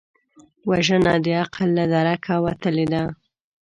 وژنه د عقل له درکه وتلې ده